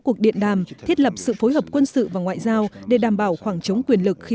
cuộc điện đàm thiết lập sự phối hợp quân sự và ngoại giao để đảm bảo khoảng chống quyền lực khi